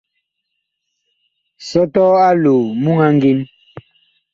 Sɔtɔɔ aloo muŋ a ngin.